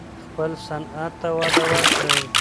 خپل صنعت ته وده ورکړئ.